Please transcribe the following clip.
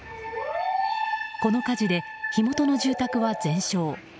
この火事で火元の住宅は全焼。